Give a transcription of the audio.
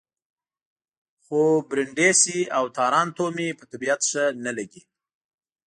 خو برېنډېسي او تارانتو مې په طبیعت ښه نه لګي.